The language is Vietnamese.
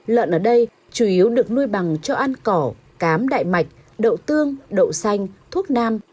lợn ở đây chủ yếu được nuôi bằng cho ăn cỏ cám đại mạch đậu tương đậu xanh thuốc nam